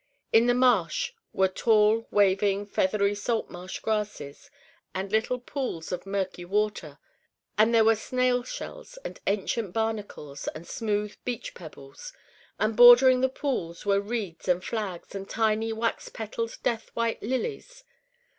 In the marsh were tall waving feathery salt marsh grasses, and little pools of murky water. And there were snail shells and ancient barnacles and smooth beach pebbles. And bordering the pools were reeds and flags and tiny wax petaled death white lilies.